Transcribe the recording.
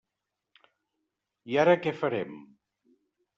I ara què farem?